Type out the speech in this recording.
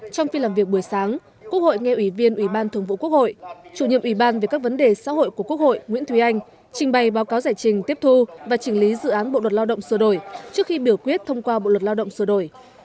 trong phiên làm việc buổi sáng quốc hội nghe ủy viên ủy ban thường vụ quốc hội chủ nhiệm ủy ban về các vấn đề xã hội của quốc hội nguyễn thúy anh trình bày báo cáo giải trình tiếp thu và trình lý dự án bộ luật lao động sửa đổi trước khi biểu quyết thông qua bộ luật lao động sửa đổi